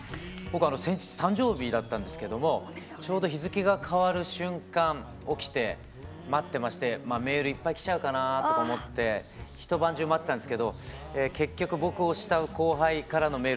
僕あの先日誕生日だったんですけどもちょうど日付が変わる瞬間起きて待ってましてまあメールいっぱい来ちゃうかなとか思って一晩中待ってたんですけど結局僕を慕う後輩からのメール１通だけでした。